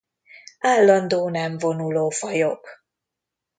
Állandó nem vonuló fajok.